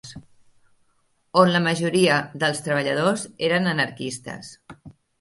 ...on la majoria dels treballadors eren anarquistes